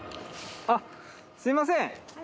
あっすいません。